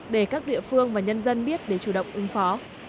để các địa phương và nhân dân biết để chủ động ứng phó